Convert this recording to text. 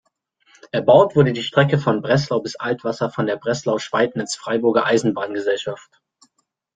Erbaut wurde die Strecke von Breslau bis Altwasser von der Breslau-Schweidnitz-Freiburger Eisenbahn-Gesellschaft.